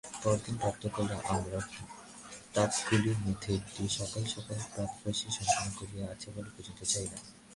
পরদিন প্রাতঃকালে আমরা তাঁবুগুলির মধ্যে একটিতে সকাল সকাল প্রাতরাশ সম্পন্ন করিয়া অচ্ছাবল পর্যন্ত চলিলাম।